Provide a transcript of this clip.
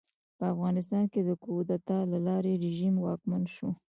په افغانستان کې د کودتا له لارې رژیم واکمن شو.